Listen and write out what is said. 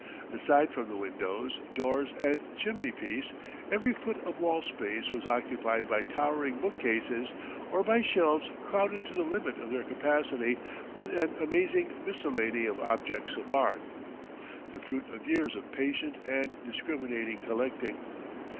Aside from the windows, doors and chimney piece, every foot of wall space was occupied by towering bookcases or by shelves crowded to the limit of their capacity with an amazing miscellany of objects of art, the fruit of years of patient and discriminating collecting.